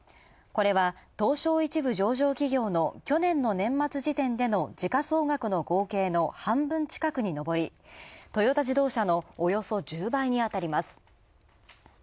これは東証１部上場企業の去年の年末時点での時価総額の合計の半分近くにのぼりトヨタ自動車のおよそ１０倍にあたります。